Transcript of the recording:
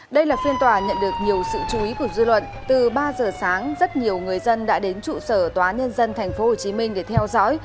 đây là phiên tòa nhận được nhiều sự chú ý của dư luận từ ba giờ sáng rất nhiều người dân đã đến trụ sở tnthhcm để theo dõi